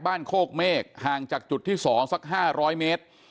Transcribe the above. บ้านโคกเมฆห่างจากจุดที่สองสักห้าร้อยเมตร